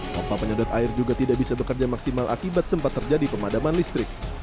papa penyedot air juga tidak bisa bekerja maksimal akibat sempat terjadi pemadaman listrik